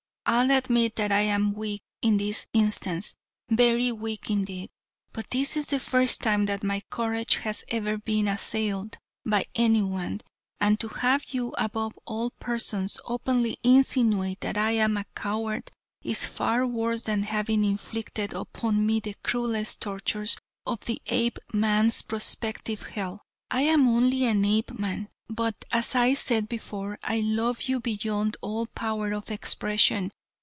I'll admit that I am weak in this instance. Very weak indeed. But this is the first time that my courage has ever been assailed by anyone, and to have you above all persons, openly insinuate that I am a coward is far worse than having inflicted upon me the cruelest tortures of the Ape man's prospective hell. I am only an Apeman, but as I said before, I love you beyond all power of expression.